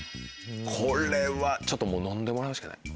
これはちょっともう飲んでもらうしかない。